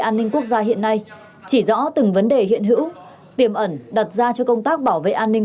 an ninh quốc gia hiện nay chỉ rõ từng vấn đề hiện hữu tiềm ẩn đặt ra cho công tác bảo vệ an ninh